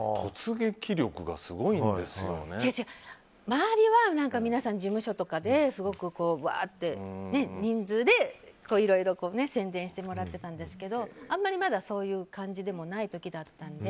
周りは皆さん事務所とかですごくワーッて人数でいろいろ宣伝してもらってたんですけどあんまりまだそういう感じでもない時だったので。